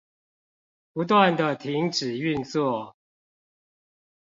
不斷的停止運作